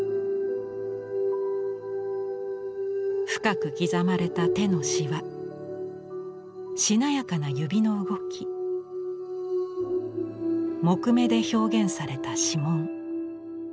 深く刻まれた手のシワしなやかな指の動き木目で表現された指紋。